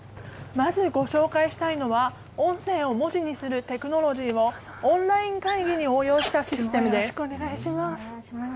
まずご紹介したいのが、音声を文字にするテクノロジーを、オンライン会議に応用したシステムです。